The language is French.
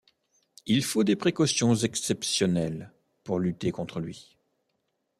Il faut des précautions exceptionnelles pour lutter contre lui.